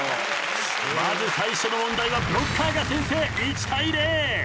まず最初の問題はブロッカーが先制１対０。